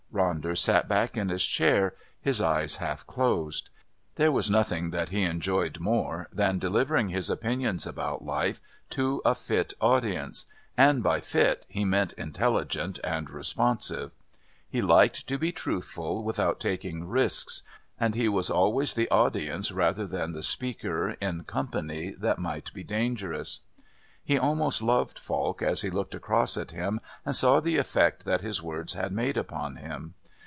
Ronder sat back in his chair, his eyes half closed. There was nothing that he enjoyed more than delivering his opinions about life to a fit audience and by fit he meant intelligent and responsive. He liked to be truthful without taking risks, and he was always the audience rather than the speaker in company that might be dangerous. He almost loved Falk as he looked across at him and saw the effect that his words had made upon him.